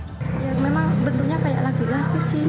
ya memang bentuknya banyak lagi lagi sih